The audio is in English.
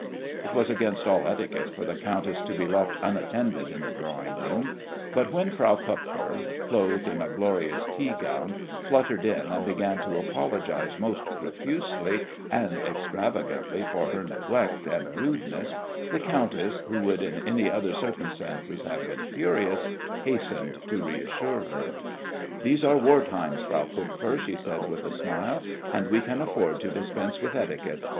It was against all etiquette for the countess to be left unattended in the drawing room, but when Frau Kupfer, clothed in a glorious tea gown, fluttered in and began to apologize most profusely and extravagantly for her neglect and rudeness, the countess, who would in any other circumstances have been furious, hastened to reassure her. "These are war times, Frau Kupfer," she said, with a smile, "and we can afford to dispense with etiquette.